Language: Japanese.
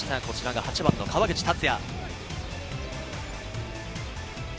こちらが８番の川口達也。